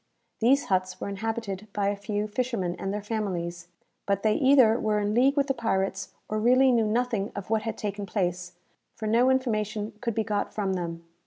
These huts were inhabited by a few fishermen and their families; but they either were in league with the pirates, or really knew nothing of what had taken place, for no information could be got from them.